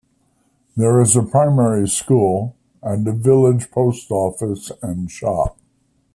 There is a primary school, and a village post office and shop.